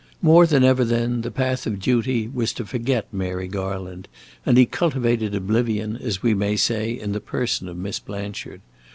More than ever, then, the path of duty was to forget Mary Garland, and he cultivated oblivion, as we may say, in the person of Miss Blanchard.